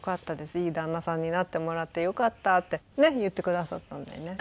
「いい旦那さんになってもらってよかった」って言ってくださったんだよね。